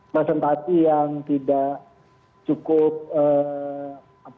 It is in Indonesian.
pasang tati yang tidak cukup cukup lengkap